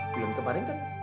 belum kemarin kan